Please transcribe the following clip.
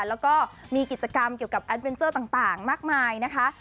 แล้วก็มีกิจกรรมเกี่ยวกับแอดเวนเจอร์ต่างมากมายนะคะ